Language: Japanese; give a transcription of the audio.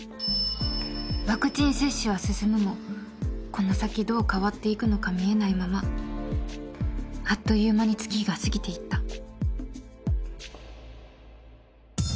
ワクチン接種は進むもこの先どう変わっていくのか見えないままあっという間に月日が過ぎていった